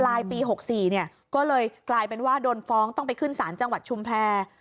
ลายปี๖๔เนี่ยก็เลยกลายเป็นว่าโดนฟ้องต้องไปขึ้นศาลจังหวัดชุมแพร